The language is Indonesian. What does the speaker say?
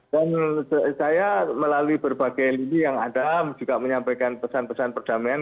dan saya melalui berbagai lini yang ada juga menyampaikan pesan pesan perdamaian